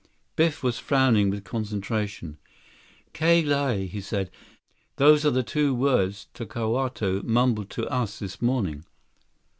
75 Biff was frowning with concentration. "Ka Lae," he said. "Those are the two words Tokawto mumbled to us this morning."